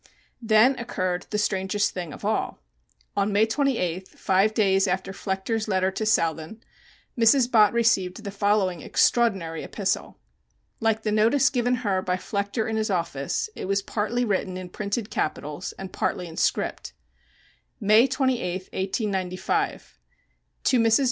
Then occurred the strangest thing of all. On May 28th, five days after Flechter's letter to Southan, Mrs. Bott received the following extraordinary epistle. Like the notice given her by Flechter in his office, it was partly written in printed capitals and partly in script. May 28, 1895. To MRS.